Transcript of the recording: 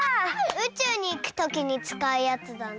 うちゅうにいくときにつかうやつだな。